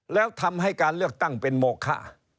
แล้วทำให้การเลือกตั้งเป็นโมค่า